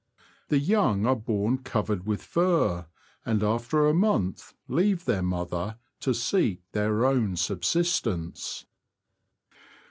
The young are born covered with fur, and after a month leave their mother to seek their own subsistence.